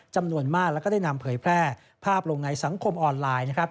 จำนวนมากแล้วก็ได้นำเผยแพร่ภาพลงในสังคมออนไลน์นะครับ